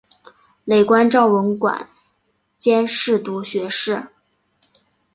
累官昭文馆兼侍读学士。